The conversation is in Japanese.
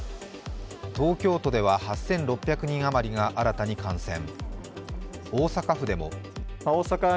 東京都では８６００人あまりが新たに感染。